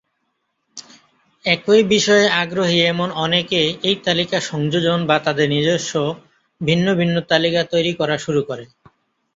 একই বিষয়ে আগ্রহী এমন অনেকে এই তালিকা সংযোজন বা তাদের নিজস্ব ভিন্ন ভিন্ন তালিকা তৈরি করা শুরু করে।